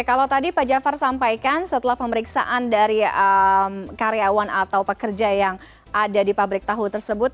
kalau tadi pak jafar sampaikan setelah pemeriksaan dari karyawan atau pekerja yang ada di pabrik tahu tersebut